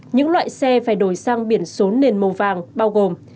những loại xe phải đổi sang biển số nền màu vàng bao gồm